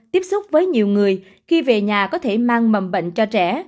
tiếp xúc với nhiều người khi về nhà có thể mang mầm bệnh cho trẻ